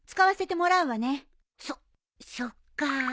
そそっか。